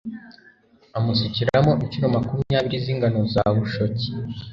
amusukiramo incuro makumyabiri z'ingano za bushoki